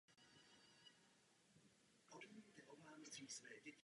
Hrála občas kromě country hudby a rock and rollu také hudbu žánru gospel.